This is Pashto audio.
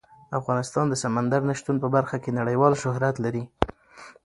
افغانستان د سمندر نه شتون په برخه کې نړیوال شهرت لري.